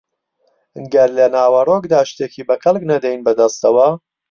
گەر لە ناوەڕۆکدا شتێکی بە کەڵک نەدەین بەدەستەوە